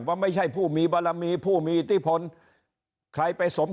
คราวนี้เจ้าหน้าที่ป่าไม้รับรองแนวเนี่ยจะต้องเป็นหนังสือจากอธิบดี